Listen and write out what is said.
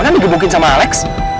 nanti di gebukin sama alex